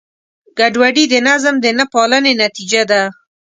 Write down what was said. ګډوډي د نظم د نهپالنې نتیجه ده.